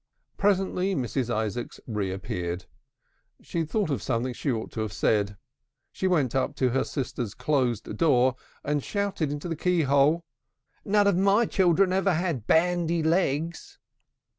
Presently Mrs. Isaacs reappeared. She had thought of something she ought to have said. She went up to her sister's closed door, and shouted into the key hole: "None of my children ever had bandy legs!"